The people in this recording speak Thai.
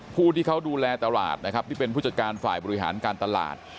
ผู้ที่เขาดูแลตลาดนะครับที่เป็นผู้จัดการฝ่ายบริหารการตลาด